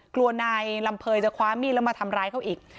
กลัวนายลำเภยจะคว้ามีดแล้วมาทำร้ายเขาอีก